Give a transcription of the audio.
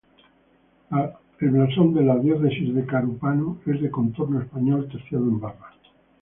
El blasón de la Diócesis de Carúpano es de contorno español, terciado en barra.